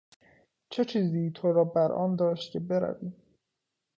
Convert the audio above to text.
چه چیزی تو را برآن داشت که بروی؟